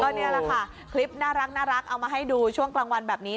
นี่แหละค่ะคลิปน่ารักเอามาให้ดูช่วงกลางวันแบบนี้